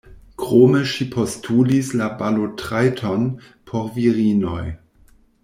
Krome ŝi postulis la balotrajton por virinoj.